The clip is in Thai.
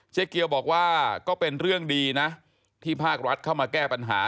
เกียวบอกว่าก็เป็นเรื่องดีนะที่ภาครัฐเข้ามาแก้ปัญหา